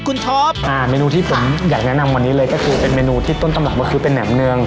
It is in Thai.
คุณท็อปอ่าเมนูที่ผมอยากแนะนำวันนี้เลยก็คือเป็นเมนูที่ต้นตำรับก็คือเป็นแหมเนือง